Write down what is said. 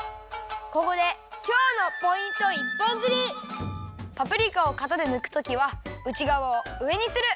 ここでパプリカをかたでぬくときはうちがわをうえにする！